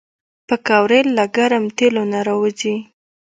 پکورې له ګرم تیلو نه راوځي